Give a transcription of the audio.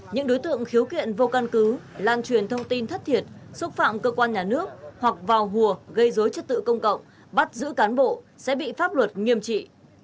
những đối tượng khiếu kiện vô căn cứ lan truyền thông tin thất thiệt xúc phạm cơ quan nhà nước hoặc vào hùa gây dối chất tự công cộng bắt giữ cán bộ sẽ bị pháp luật nghiêm trị